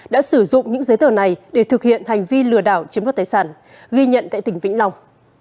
đã sử dụng những giấy tờ này để thực hiện hành vi lừa đảo chiếm đoạt tài sản ghi nhận tại tỉnh vĩnh long